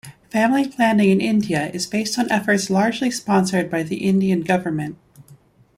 Family planning in India is based on efforts largely sponsored by the Indian government.